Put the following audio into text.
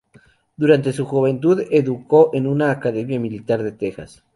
Durante su juventud se educó en una academia militar de Texas.